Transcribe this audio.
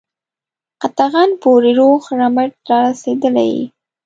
قطغن پوري روغ رمټ را رسېدلی یې.